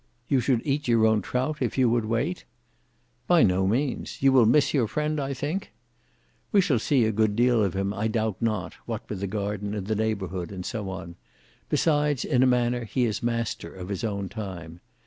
You should eat your own trout if you would wait?" "By no means. You will miss your friend, I should think?" "We shall see a good deal of him, I doubt not, what with the garden and neighbourhood and so on; besides, in a manner, he is master of his own time.